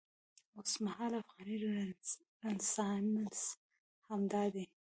اوسمهالی افغاني رنسانس همدا دی.